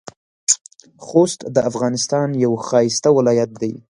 خوست د افغانستان یو ښایسته ولایت دی.